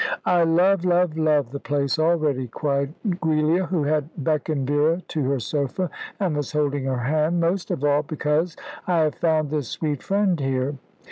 "I love love love the place already," cried Giulia, who had beckoned Vera to her sofa, and was holding her hand. "Most of all because I have found this sweet friend here.